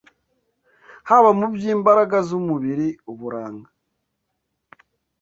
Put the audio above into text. Haba mu by’imbaraga z’umubiri, uburanga